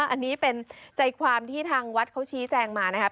อันนี้เป็นใจความที่ทางวัดเขาชี้แจงมานะครับ